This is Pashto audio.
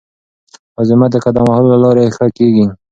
هاضمه د قدم وهلو له لارې ښه کېږي.